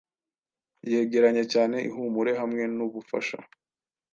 yegeranye cyaneihumure hamwe nubufasha